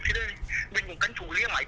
thì đây mình cũng cánh chủ liên lạc